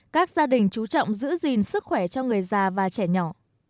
các gia đình chú trọng giữ gìn sức khỏe cho người già và trẻ nhỏ